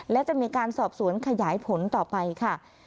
และจะมีการสอบสวนขยายผลต่อไปค่ะ